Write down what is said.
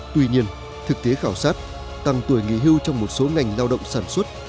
tuy nhiên thực tế khảo sát tăng tuổi nghỉ hưu trong một số ngành lao động sản xuất